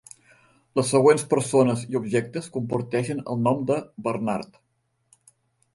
Les següents persones i objectes comparteixen el nom de Bernard.